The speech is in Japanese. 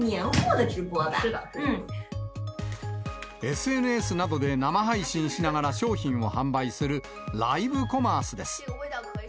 ＳＮＳなどで生配信しながら商品を販売するライブコマースです。